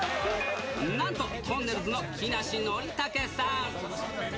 なんと、とんねるずの木梨憲武さん。